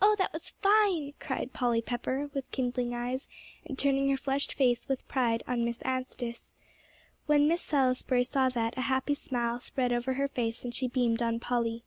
"Oh, that was fine!" cried Polly Pepper, with kindling eyes, and turning her flushed face with pride on Miss Anstice. When Miss Salisbury saw that, a happy smile spread over her face, and she beamed on Polly.